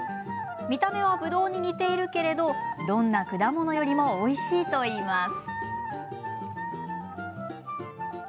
見た目は、ぶどうに似ているけどどんな果物よりもおいしいといいます。